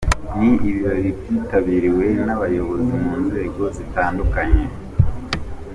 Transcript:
Ni ibirori byitabiriwe n'abayobozi mu nzego zitandukanye.